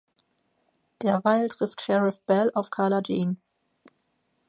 Derweil trifft Sheriff Bell auf Carla Jean.